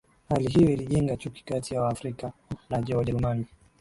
Hali hiyo ilijenga chuki kati ya Waafrika na Wajerumani